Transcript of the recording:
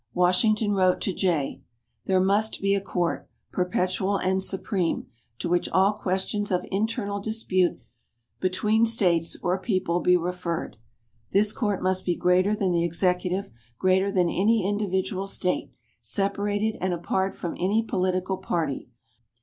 Washington wrote to Jay: "There must be a Court, perpetual and Supreme, to which all questions of internal dispute between States or people be referred. This Court must be greater than the Executive, greater than any individual State, separated and apart from any political party.